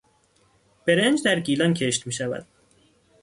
برنج در گیلان کشت میشود.